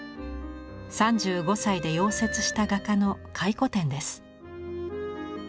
３５歳で夭折した画家の回顧展です。